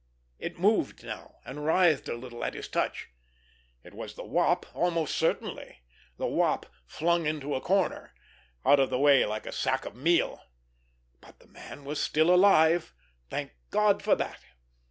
It moved now, and writhed a little at his touch. It was the Wop almost certainly, the Wop "flung into a corner" out of the way like a sack of meal. But the man was still alive. Thank God for that!